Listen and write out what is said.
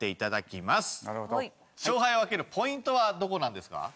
勝敗を分けるポイントはどこなんですか？